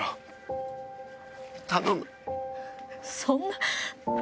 そんな！